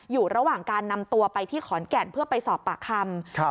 อยู่ระหว่างการนำตัวไปที่ขอนแก่นเพื่อไปสอบปากคำ